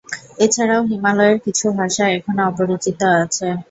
এছাড়াও হিমালয়ের কিছু ভাষা এখনো অপরিচিত আছে।